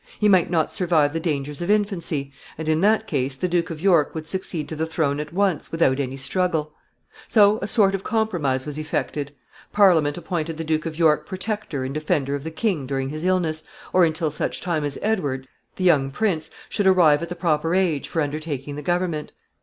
He might not survive the dangers of infancy, and in that case the Duke of York would succeed to the throne at once without any struggle. So a sort of compromise was effected. Parliament appointed the Duke of York protector and defender of the king during his illness, or until such time as Edward, the young prince, should arrive at the proper age for undertaking the government.